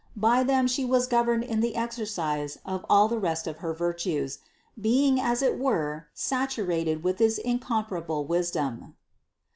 By them She was governed in the exercise of all the rest of her virtues, being as it were saturated with this incompar able wisdom.